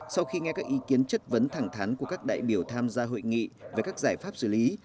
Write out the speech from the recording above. sau khi nghe các ý kiến chất vấn thẳng thắn của các đại biểu tham gia hội nghị về các giải pháp xử lý